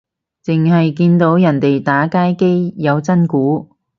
剩係見過人哋打街機有真鼓